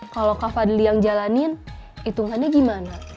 kalau kak fadli yang jalanin hitungannya gimana